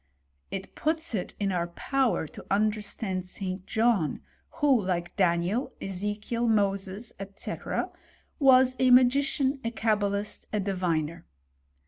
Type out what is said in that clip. It puts it in our power to understand St. John, who, like Daniel, £ze« kiel, Moses, &c., was a magician, a cabalist, a diviner.